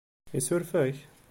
Isuref-ak?